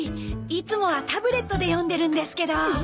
いつもはタブレットで読んでるんですけど。